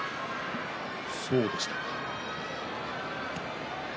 そうでしたか。